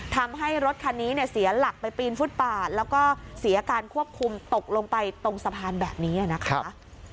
ทำให้รถคันนี้เนี่ยเสียหลักไปปีนฟุตปาดแล้วก็เสียการควบคุมตกลงไปตรงสะพานแบบนี้นะคะ